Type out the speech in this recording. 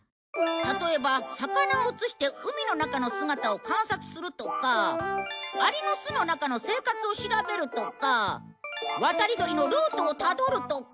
例えば魚を映して海の中の姿を観察するとかアリの巣の中の生活を調べるとか渡り鳥のルートをたどるとか。